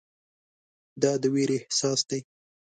دا د ویرې احساس دی.